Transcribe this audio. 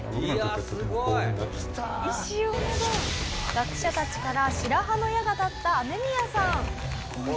学者たちから白羽の矢が立ったアメミヤさん。